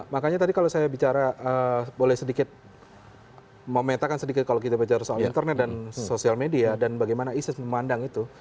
makanya tadi kalau saya bicara boleh sedikit memetakan sedikit kalau kita bicara soal internet dan sosial media dan bagaimana isis memandang itu